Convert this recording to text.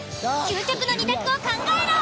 究極の２択を考えろ！